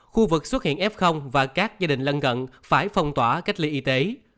khu vực xuất hiện f và các gia đình lân cận phải phong tỏa cách ly y tế